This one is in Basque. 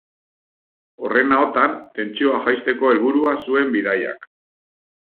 Horren ahotan, tentsioa jaisteko helburua zuen bidaiak.